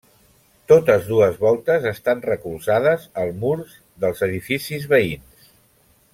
Totes dues voltes estan recolzades als murs dels edificis veïns.